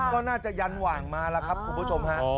ก็น่าจะยันหว่างมาแล้วครับคุณผู้ชมฮะ